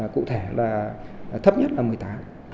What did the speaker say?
cụ thể là thấp nhất là một mươi tám